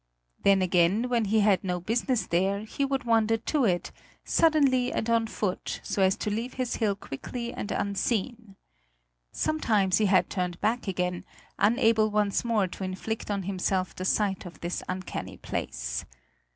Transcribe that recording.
Then again, when he had no business there, he would wander to it, suddenly and on foot, so as to leave his hill quickly and unseen. Sometimes he had turned back again, unable once more to inflict on himself the sight of this uncanny place.